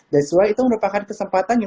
that's why itu merupakan kesempatan yang